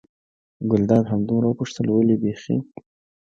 ګلداد همدومره وپوښتل: ولې بېخي.